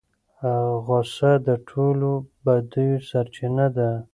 غصه د ټولو بدیو سرچینه ده.